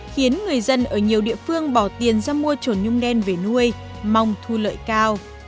khiến người dân ở nhiều địa phương bỏ tiền ra mua chuồn nhung đen về nuôi mong thu lợi cao